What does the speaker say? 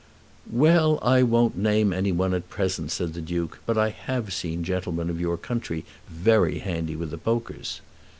"Well; I won't name any one at present," said the Duke, "but I have seen gentlemen of your country very handy with the pokers."